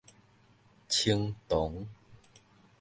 菁桐